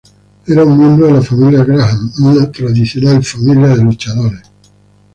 Era un miembro de la familia Graham, una tradicional familia de luchadores.